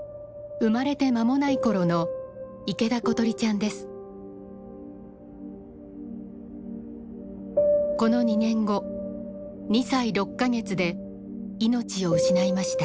生まれて間もない頃のこの２年後２歳６か月で命を失いました。